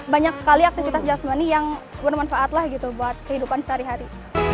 banyak sekali aktivitas jasmani yang bermanfaat lah gitu buat kehidupan sehari hari